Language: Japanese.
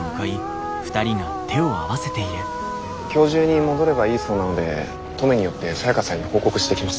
今日中に戻ればいいそうなので登米に寄ってサヤカさんに報告してきます。